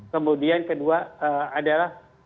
kemudian kedua adalah